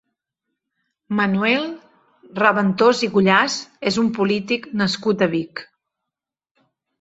Manuel Raventós i Cuyàs és un polític nascut a Vic.